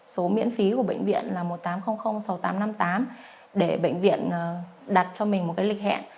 số miễn phí của bệnh viện là một nghìn tám trăm linh sáu nghìn tám trăm năm mươi tám để bệnh viện đặt cho mình một lịch hẹn